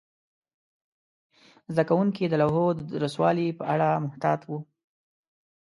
زده کوونکي د لوحو د درستوالي په اړه محتاط وو.